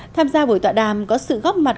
tham gia buổi tọa đàm có sự góp mặt